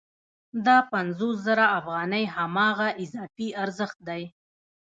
دا پنځوس زره افغانۍ هماغه اضافي ارزښت دی